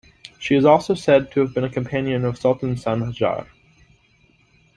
She is also said to have been a companion of Sultan Sanjar.